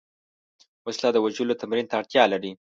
وسله د وژلو تمرین ته اړتیا لري